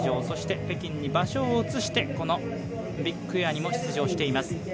そして北京に場所を移してこのビッグエアにも出場しています。